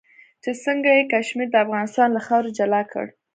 چې څنګه یې کشمیر د افغانستان له خاورې جلا کړ.